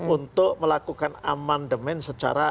untuk melakukan amandemen secara